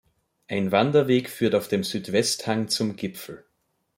Ein Wanderweg führt auf dem Südwesthang zum Gipfel.